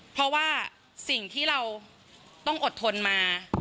เพราะว่าสิ่งที่เราต้องอดทนมา